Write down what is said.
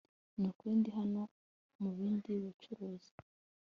Nukuri ndi hano mubindi bucuruzi